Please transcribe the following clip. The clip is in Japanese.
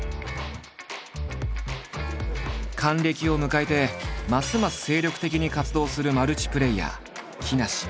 還暦を迎えてますます精力的に活動するマルチプレイヤー木梨。